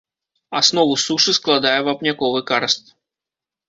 Аснову сушы складае вапняковы карст.